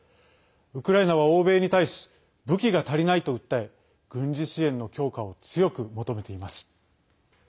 ウクライナは欧米に対し武器が足りないと訴え軍事支援の強化を強く求めています。